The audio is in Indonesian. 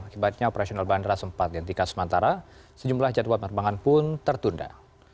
akibatnya operasional bandara sempat dihentikan sementara sejumlah jadwal penerbangan pun tertunda